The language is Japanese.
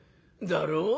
だろ？